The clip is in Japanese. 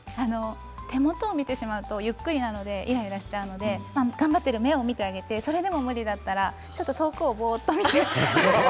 手元を見てしまうとゆっくりなのでイライラしてしまうので頑張っている目を見てそれでも無理だったら遠くをぼーっと見て。